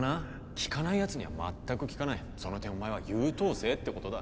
効かないやつには全く効かないその点お前は優等生ってことだ